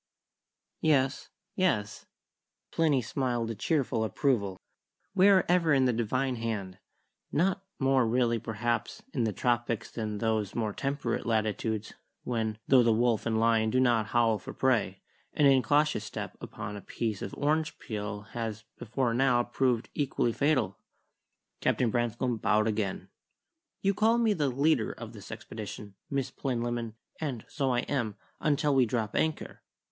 '" "Yes yes" Plinny smiled a cheerful approval "we are ever in the Divine Hand; not more really, perhaps, in the tropics than in those more temperate latitudes when, though the wolf and lion do not howl for prey, an incautious step upon a piece of orange peel has before now proved equally fatal." Captain Branscome bowed again. "You call me the leader of this expedition, Miss Plinlimmon; and so I am, until we drop anchor.